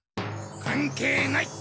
関係ない！